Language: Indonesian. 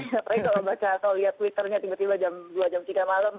apalagi kalau baca atau lihat twitternya tiba tiba jam dua jam tiga malam